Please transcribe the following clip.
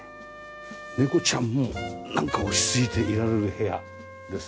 猫ちゃんもなんか落ち着いていられる部屋です。